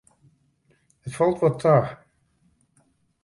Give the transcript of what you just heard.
It falt wat ta.